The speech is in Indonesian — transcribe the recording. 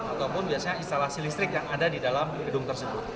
ataupun biasanya instalasi listrik yang ada di dalam gedung tersebut